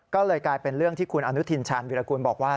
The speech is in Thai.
ก็เลยกลายเป็นเรื่องที่คุณอนุทินชาญวิรากูลบอกว่า